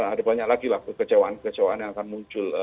ada banyak lagi lah kekecewaan kekecewaan yang akan muncul